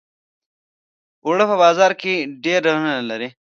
اوړه په بازار کې ډېر ډولونه لري